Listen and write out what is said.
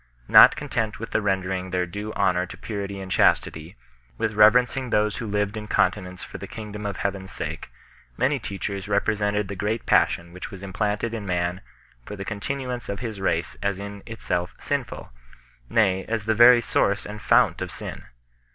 Not content with rendering their due honour to purity and chastity, with reverencing those who lived in continence for the King dom of Heaven s sake, many teachers represented the great passion which was implanted in man for the con tinuance of his race as in itself sinful ; nay, as the very source and fount of sin.